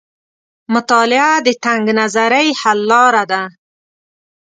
مطالعه د تنګ نظرۍ حل لار ده.